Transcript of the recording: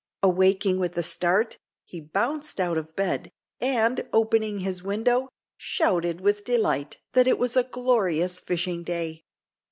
Awaking with a start, he bounced out of bed, and, opening his window, shouted with delight that it was a glorious fishing day.